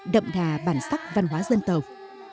đậm đà bản sắc văn hóa dân tộc